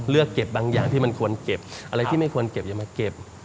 เลือกเก็บบางอย่างที่มันควรเก็บอะไรที่ไม่ควรเก็บอย่ามาเก็บ